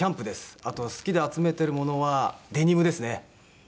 あと好きで集めてるものはデニムですね。